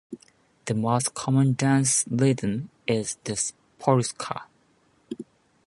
The most common dance rhythm is the polska.